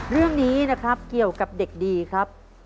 เรื่องนี้นะครับเกี่ยวกับเด็กดีครับ